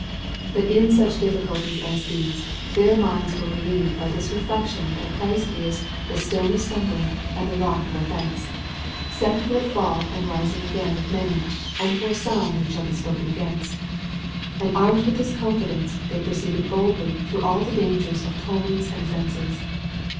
But in such difficulties as these, their minds were relieved by this reflection that Christ is the "stone of stumbling and rock of offence," "set for the fall and rising again of many, and for a sign which shall be spoken against;" and armed with this confidence, they proceeded boldly through all the dangers of tumults and offences.